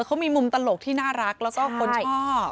เขามีมุมตลกที่น่ารักแล้วก็คนชอบ